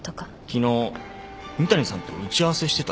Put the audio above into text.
昨日仁谷さんと打ち合わせしてたって。